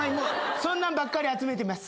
そんなんばっかり集めてます。